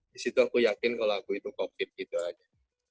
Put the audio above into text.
di situ aku yakin kalau aku itu covid gitu aja